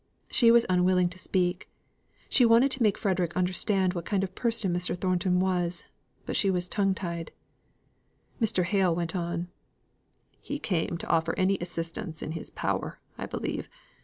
She was unwilling to speak; she wanted to make Frederick understand what kind of person Mr. Thornton was but she was tongue tied. Mr. Hale went on. "He came to offer any assistance in his power, I believe.